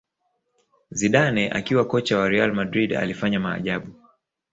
zidane akiwa kocha wa Real Madrid alifanya maajabu